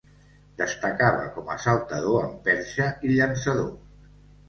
Destacava com a saltador amb perxa i llançador.